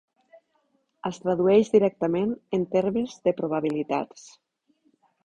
Es tradueix directament en termes de probabilitats.